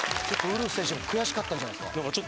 ちょっと、ウルフ選手も悔しかったんじゃないんですか。